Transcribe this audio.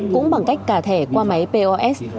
cũng bằng cách cả thẻ qua máy pos